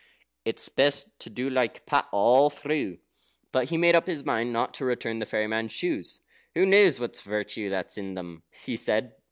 "It's best to do like Pat all through." But he made up his mind not to return the fairy man's shoes. "Who knows the virtue that's in them?" he said.